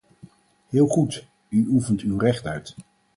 Heel goed, u oefent uw recht uit.